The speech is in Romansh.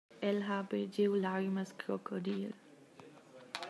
El ha bargiu larmas crocodil.